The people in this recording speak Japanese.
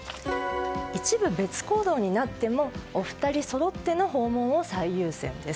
一部別行動になってもお二人そろっての訪問を最優先です。